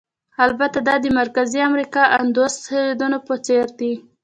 البته دا د مرکزي امریکا او اندوس هېوادونو په څېر دي.